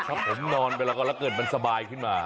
ถ้าผมนอนไปแล้วก็แล้วเกิดมันสบายขึ้นมา